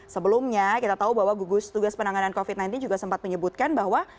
sebelumnya kita tahu bahwa gugus tugas penanganan covid sembilan belas juga sempat menyebutkan bahwa